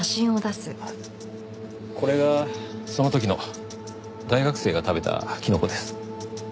これがその時の大学生が食べたキノコです。